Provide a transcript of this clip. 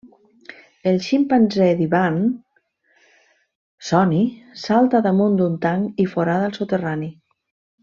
El ximpanzé d'Ivan, Soni, salta damunt d'un tanc i forada el soterrani.